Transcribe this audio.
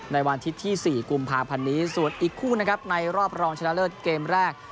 ในวันอาทิตย์ที่๔กุมภาพันธ์นี้ส่วนอีกคู่นะครับในรอบรองชนะเลิศเกมแรก